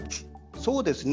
そうですね。